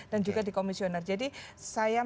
dan juga di komisioner jadi saya